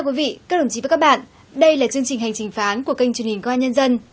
quý vị các đồng chí và các bạn đây là chương trình hành trình phá án của kênh truyền hình công an nhân dân